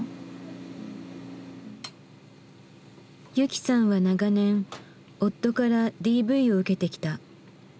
雪さんは長年夫からＤＶを受けてきた。